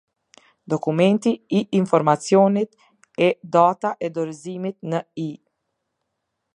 Dokumentet I informacioni E Data e dorëzimit ne I.